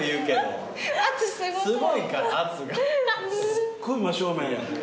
すっごい真正面。